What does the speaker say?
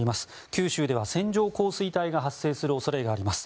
九州では線状降水帯が発生する恐れがあります。